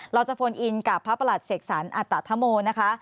เราจะพนินกับพระประหลัดเสกสรรอัตธมโมนะคะ